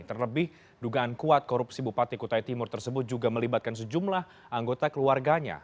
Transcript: terlebih dugaan kuat korupsi bupati kutai timur tersebut juga melibatkan sejumlah anggota keluarganya